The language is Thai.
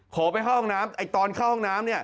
ขอไปเข้าห้องน้ำตอนเข้าห้องน้ำ